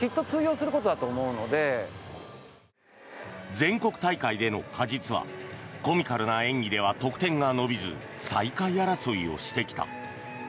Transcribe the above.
全国大会での鹿実はコミカルな演技では得点が伸びず最下位争いをしてきた。